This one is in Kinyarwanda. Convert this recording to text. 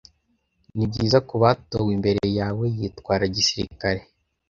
nibyiza kubatowe imbere yawe yitwara gisirikare